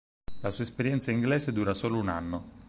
La sua esperienza inglese dura solo un anno.